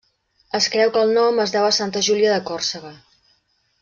Es creu que el nom es deu a Santa Júlia de Còrsega.